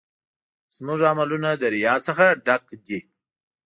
زموږ عملونه د ریا څخه ډک دي.